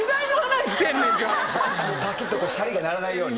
パキッとかシャリが鳴らないように。